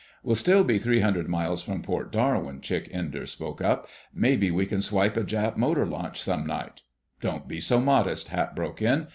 "We'll still be three hundred miles from Port Darwin," Chick Enders spoke up. "Maybe we can swipe a Jap motor launch some night—" "Don't be so modest," Hap broke in.